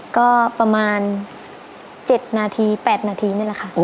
ก็ประมาณ๗นาที๘นาทีนี่แหละค่ะ